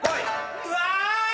うわ！